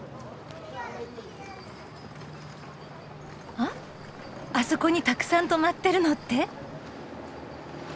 ああそこにたくさん泊まってるのって。